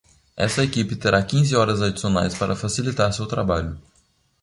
Esta equipe terá quinze horas adicionais para facilitar seu trabalho.